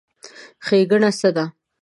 ښېګڼه څه ده؟